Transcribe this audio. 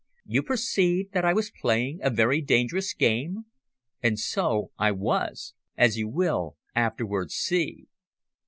You perceive that I was playing a very dangerous game? And so I was; as you will afterwards see.